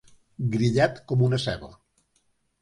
Grillat com una ceba.